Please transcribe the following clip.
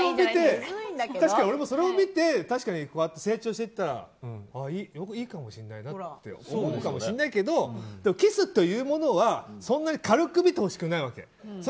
確かに俺もそれを見て成長していったらいいかもしれないなって思うかもしれないけどでもキスというものはそんなに軽く見てほしくないわけ。